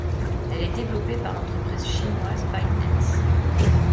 Elle est développée par l'entreprise chinoise ByteDance.